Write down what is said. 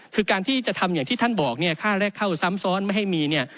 คือการที่จะทำอย่างที่ท่านบอกเนี่ยค่าแรกเข้าซ้ำซ้อนไม่ให้มีเนี่ย